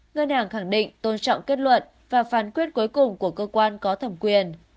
ngân hàng khẳng định tôn trọng kết luận và phán quyết cuối cùng của cơ quan có thẩm quyền